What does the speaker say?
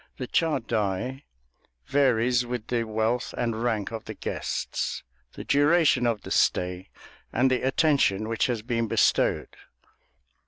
The chadai varies with the wealth and rank of the guests, the duration of the stay, and the attention which has been bestowed.